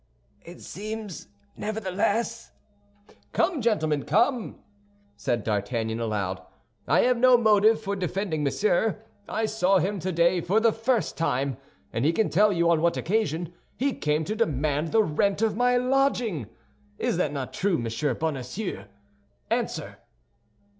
"It seems, nevertheless—" "Come, gentlemen, come!" said D'Artagnan, aloud; "I have no motive for defending Monsieur. I saw him today for the first time, and he can tell you on what occasion; he came to demand the rent of my lodging. Is that not true, Monsieur Bonacieux? Answer!"